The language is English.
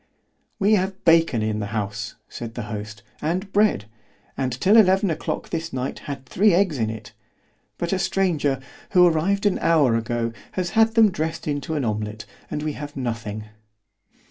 ——We have bacon in the house, said the host, and bread——and till eleven o'clock this night had three eggs in it——but a stranger, who arrived an hour ago, has had them dressed into an omelet, and we have nothing.